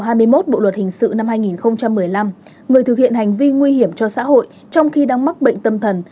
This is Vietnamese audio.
từ năm hai nghìn một mươi một bộ luật hình sự năm hai nghìn một mươi năm người thực hiện hành vi nguy hiểm cho xã hội trong khi đang mắc bệnh tâm thần